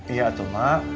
iya tuh mak